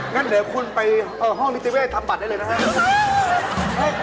งั้นเดี๋ยวคุณไปห้องนิติเวศทำบัตรได้เลยนะครับ